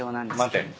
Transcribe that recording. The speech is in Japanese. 待て。